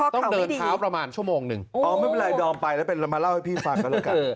ต้องเดินเท้าประมาณชั่วโมงหนึ่งอ๋อไม่เป็นไรดอมไปแล้วเป็นเรามาเล่าให้พี่ฟังกันแล้วกัน